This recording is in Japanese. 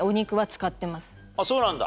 あっそうなんだ。